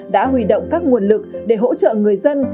đã huy động các nguồn lực để hỗ trợ người dân